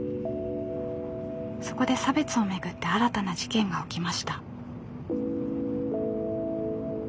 そこで差別をめぐって新たな事件が起きました。